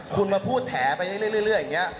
คุณมาพูดแถไปเรื่อยเรื่อยอย่างเนี่ย